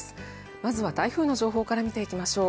まずは台風の情報を見ていきましょう。